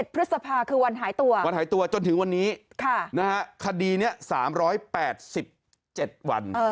พฤษภาคือวันหายตัววันหายตัวจนถึงวันนี้คดีนี้๓๘๗วัน